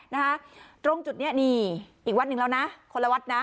นะคะตรงจุดนี้นี่อีกวัดหนึ่งแล้วนะคนละวัดนะ